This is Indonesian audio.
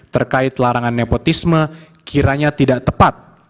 terkait larangan nepotisme kiranya tidak tepat